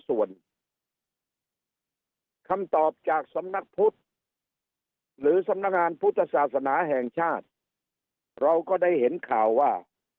ส่วนคำตอบเพื่อนะคะก็ได้เห็นข่าวว่า